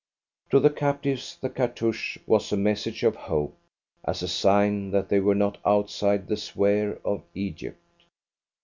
To the captives, the cartouche was a message of hope, as a sign that they were not outside the sphere of Egypt.